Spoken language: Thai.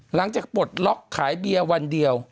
หลังจากปลดล็อกขายเบียวันเดียว